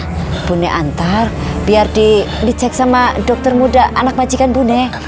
ya bu antar biar dicek sama dokter muda anak majikan bu